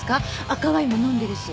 赤ワインも飲んでるし。